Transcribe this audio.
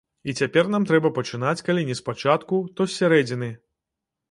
І цяпер нам трэба пачынаць калі не з пачатку, то з сярэдзіны.